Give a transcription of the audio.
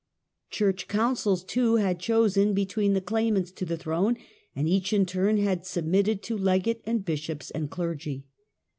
Church councils, too, had chosen between the claim ants to the throne, and each in turn had submitted to legate and bishops and clergy.